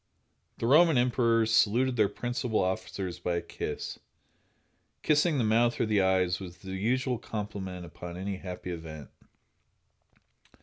The Roman emperors saluted their principal officers by a kiss. Kissing the mouth or the eyes was the usual compliment upon any happy event.